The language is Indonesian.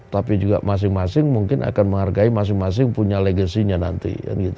tapi juga masing masing mungkin akan menghargai masing masing punya legasinya nanti